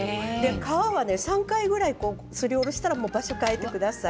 皮は３回ぐらいすりおろしたら場所を変えてください